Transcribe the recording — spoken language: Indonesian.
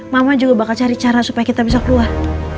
mama juga bakal cari cara supaya kita bisa keluar